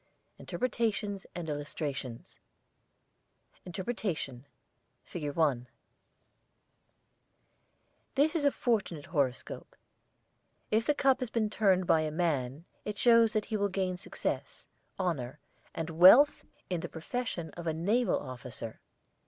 INTERPRETATIONS AND ILLUSTRATIONS INTERPRETATION FIG.1 This is a fortunate horoscope. If cup has been turned by a man it shows that he will gain success, honour, and wealth in the profession of a naval officer.